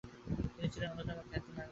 তিনি ছিলেন অন্যতম খ্যাতিমান ব্যারিস্টার।